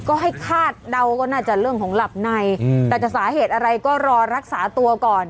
ก็ให้คาดเดาก็น่าจะเรื่องของหลับในแต่จะสาเหตุอะไรก็รอรักษาตัวก่อน